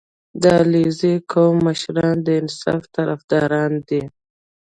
• د علیزي قوم مشران د انصاف طرفداران دي.